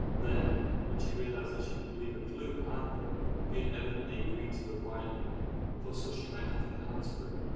Then, when she realised that she could leave a clue behind her, she had evidently agreed to go quietly; for so she might have her hands free.